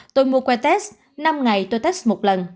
tôi mua qua test năm ngày tôi test một lần